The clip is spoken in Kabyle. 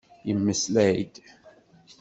Yemmeslay-d.